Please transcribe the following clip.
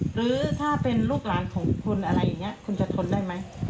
หรือถ้าเป็นลูกหลานของคุณอะไรอย่างนี้คุณจะทนได้ไหม